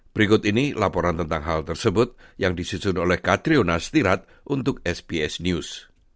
berikut ini laporan tentang hal tersebut yang disusun oleh katriona stirat untuk sbs news